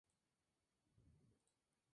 Barco De Cristal